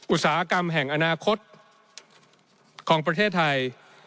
อุตสาหกรรมแห่งอนาคตของประเทศไทย